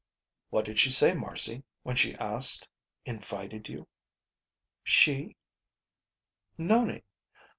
"What did she say, Marcy, when she asked invited you?" "She?" "Nonie."